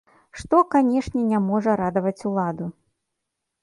Што, канешне, не можа радаваць уладу.